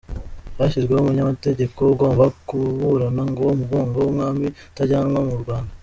-Hashyizweho umunyamategeko ugomba kuburana ngo umugogo w’umwami utajyanwa mu Rwanda.